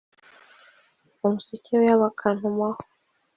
umuseke weya bakantumaho :